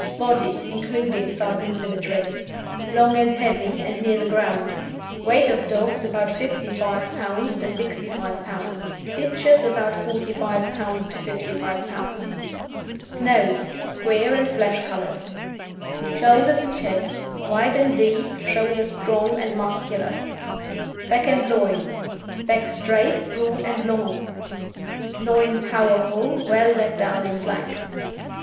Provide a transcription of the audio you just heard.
BODY (INCLUDING SIZE AND SYMMETRY) Long and heavy, and near the ground. Weight of dogs about 55 lb. to 65 lb.; bitches about 45 lb. to 55 lb. NOSE Square and flesh coloured. SHOULDERS AND CHEST Wide and deep; shoulders strong and muscular. BACK AND LOIN Back straight, broad and long; loin powerful, well let down in flank.